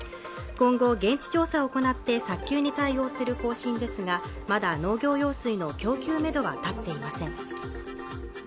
今後現地調査を行って早急に対応する方針ですがまだ農業用水の供給めどは立っていません